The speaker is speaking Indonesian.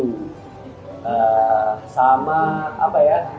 sama apa ya mungkin menyelesaikan sekolah adik adik kali ya itu harus